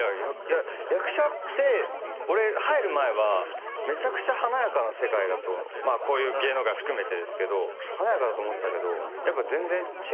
役者って俺入る前はめちゃくちゃ華やかな世界だとこういう芸能界含めてですけど華やかだと思ってたけどやっぱ全然違くて。